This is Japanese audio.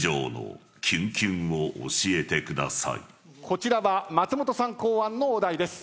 こちらは松本さん考案のお題です。